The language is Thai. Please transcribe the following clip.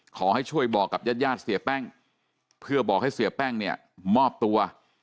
ขอให้ช่วยบอกกับญาติญาติเสียแป้งเพื่อบอกให้เสียแป้งเนี่ยมอบตัว